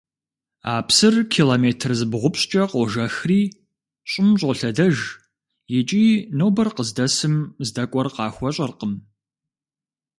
А псыр километр зыбгъупщӀкӀэ къожэхри, щӀым щӀолъэдэж икӏи нобэр къыздэсым здэкӀуэр къахуэщӀэркъым.